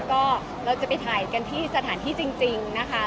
ก็เราจะไปถ่ายกันที่สถานที่จริงนะคะ